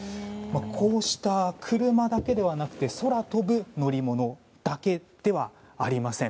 こうした車だけではなくて空飛ぶ乗り物だけではありません。